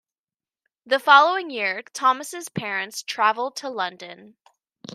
The following year, Thomas' parents traveled to London.